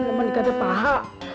memandangkan ada paha